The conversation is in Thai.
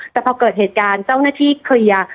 แต่พอเกิดเหตุการณ์เจ้าหน้าที่เคลียร์